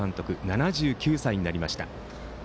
７９歳になりました。